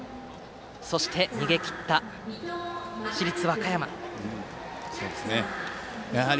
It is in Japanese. そして逃げ切った市立和歌山ですが。